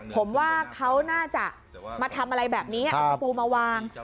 ผมว่าเขาน่าจะมาทำอะไรแบบนี้เอาตะปูมาวาง